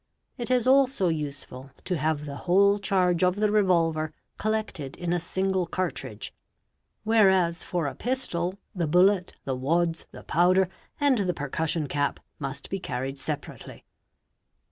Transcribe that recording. | It is also usefw to have the whole charge of the revolver collected in a single cartridge whereas for a pistol, the bullet, the wads, the powder, and the p er cussion cap must be carried separately.